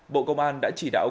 bộ công an đã chỉ đạo